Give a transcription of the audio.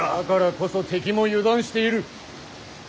だからこそ敵も油断している。